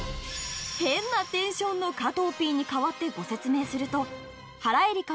変なテンションの加藤Ｐに変わってご説明すると原英莉花